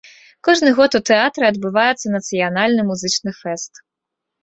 Кожны год у тэатры адбываецца нацыянальны музычны фэст.